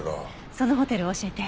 そのホテルを教えて。